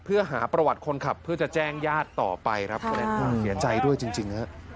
เพื่อหาประวัติคนขับเพื่อจะแจ้งญาติต่อไปครับคุณแนน